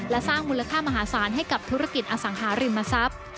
และสร้างมูลค่ามหาศาลให้กับธุรกิจอสังหาริมทรัพย์